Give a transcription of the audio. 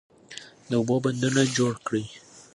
د اوبو بندونه جوړ کړئ.